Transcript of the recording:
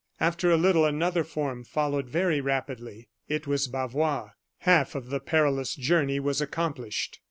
After a little, another form followed very rapidly it was Bavois. Half of the perilous journey was accomplished.